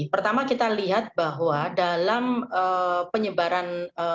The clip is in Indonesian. pertama kita lihat bahwa dalam penyebaran